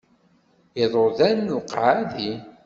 Iḍudan d leqɛadi.